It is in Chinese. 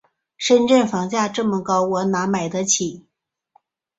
深圳房价这么高，我哪儿买得起？